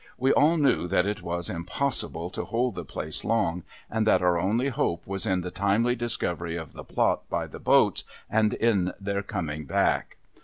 We all knew that it was im possible to hold the place long, and that our only hope was in the timely discovery of the plot by the boats, and in their coming back.